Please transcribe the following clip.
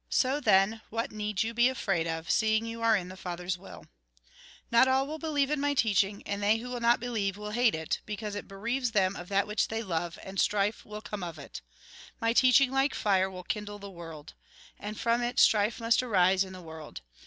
So then, what need you be afraid of, seeing you are in the Father's will ?" Not all will believe in my teaching. And they who will not believe, will hate it ; because it bereaves them of that which they love, and strife will come of it. My teaching, like fire, will kindle the world. And from it strife must arise in the world.